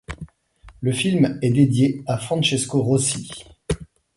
Le film est dédié à Francesco Rosi.